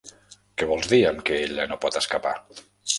Què vols dir amb que ella no pot escapar?